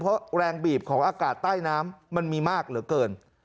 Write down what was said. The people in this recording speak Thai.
เพราะแรงบีบของอากาศใต้น้ำมันมีมากเหลือเกิน